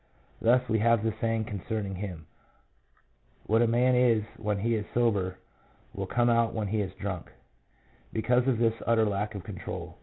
Thus, we have the saying concerning him, " What a man is when he is sober will come out when he is drunk," because of his utter lack of control.